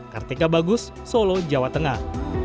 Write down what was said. kartika bagus solo jawa tengah